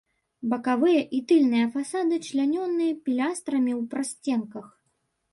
Бакавыя і тыльныя фасады члянёны пілястрамі ў прасценках.